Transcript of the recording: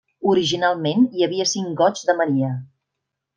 Originalment, hi havia cinc Goigs de Maria.